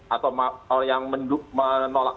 atau yang menolak